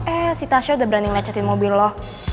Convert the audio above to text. eh si tasya udah berani ngelecetin mobil lo